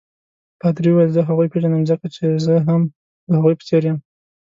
پادري وویل: زه هغوی پیژنم ځکه چې زه هم د هغوی په څېر یم.